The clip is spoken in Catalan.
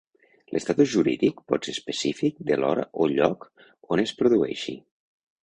L'estatus jurídic pot ser específic de l'hora o lloc on es produeixi.